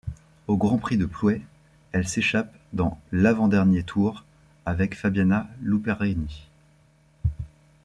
Au Grand Prix de Plouay, elle s'échappe dans l'avant dernier tour avec Fabiana Luperini.